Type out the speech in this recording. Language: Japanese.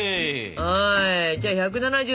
はいじゃあ１７０